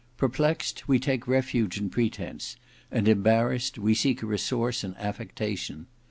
Perplexed, we take refuge in pretence; and embarrassed, we seek a resource in affectation.